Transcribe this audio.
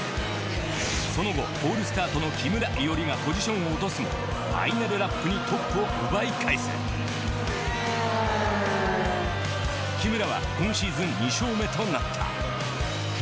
その後ポールスタートの木村偉織がポジションを落とすもファイナルラップにトップを奪い返す木村は今シーズン２勝目となった。